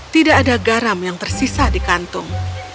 tidak ada garam yang tersisa di kantung